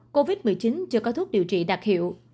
covid một mươi chín chưa có thuốc điều trị đặc hiệu